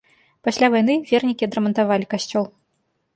Пасля вайны вернікі адрамантавалі касцёл.